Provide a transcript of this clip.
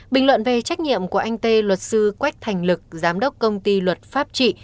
bình luận về trách nhiệm của anh tê luật sư quách thành lực giám đốc công ty luật pháp trị